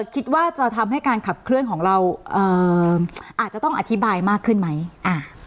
คิดว่าจะทำให้การขับเคลื่อนของเราเอ่ออาจจะต้องอธิบายมากขึ้นไหมอ่า